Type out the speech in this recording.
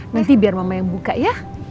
nanti biar mama yang buka ya